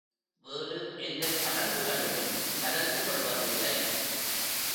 வேறு எந்தச் சடங்குகளிலும் கலந்து கொள்வதில்லை.